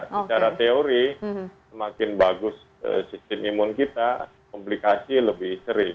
secara teori semakin bagus sistem imun kita komplikasi lebih sering